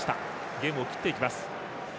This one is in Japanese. ゲームを切っていきます。